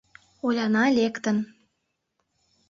Оляна лектын...